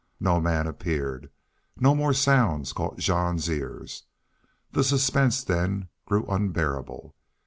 No man appeared. No more sounds caught Jean's ears. The suspense, then, grew unbearable.